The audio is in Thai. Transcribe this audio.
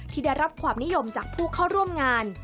ได้รับความนิยมจากผู้เข้าร่วมงาน